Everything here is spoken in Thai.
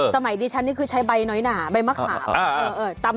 สมัยดิฉันนี่คือใช้ใบน้อยหนาใบมะขาม